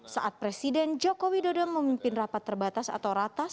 saat presiden jokowi dodo memimpin rapat terbatas atau ratas